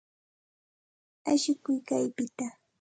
Ashukuy kaypita.